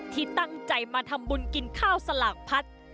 ที่ตั้งใจมาทำบุญกินข้าวสลากพัด